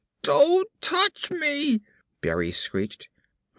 "DON'T TOUCH ME!" Berry screeched.